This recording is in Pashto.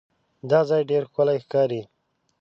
دا ځای ډېر ښکلی ښکاري.